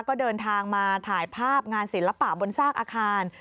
ก็เดินทางมาถ่ายภาพงานศิลปะบนซากอาคาร